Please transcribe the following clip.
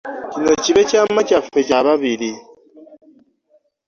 Kino kibe kyama kyaffe kya babiri.